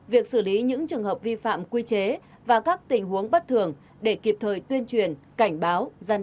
việc xử lý những trường hợp vi phạm quy chế và các tình huống bất thường để kịp thời tuyên truyền cảnh báo